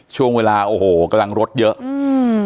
ช่วงเวลาโอ้โหกำลังรถเยอะอืม